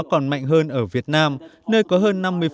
còn mạnh hơn ở việt nam nơi có hơn